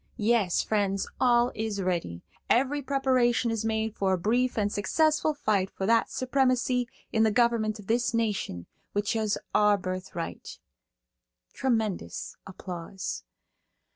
Yes, friends, all is ready; every preparation is made for a brief and successful fight for that supremacy in the government of this nation which is our birthright. (Tremendous applause.)